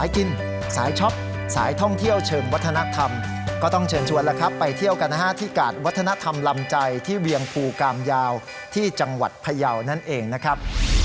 ก็ต้องเชิญชวนแล้วครับไปเที่ยวกันที่กาสวัฒนธรรมลำใจที่เวียงภูกามยาวที่จังหวัดพยาวนั่นเองนะครับ